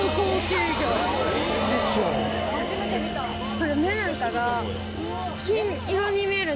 これ。